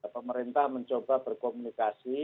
pemerintah mencoba berkomunikasi